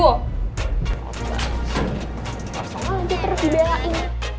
sama sama nanti terus dibelain